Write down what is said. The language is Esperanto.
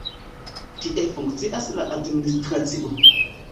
Tie funkcias la administracio.